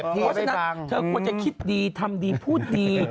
เพราะฉะนั้นเธอควรจะคิดดีทำดีพูดดี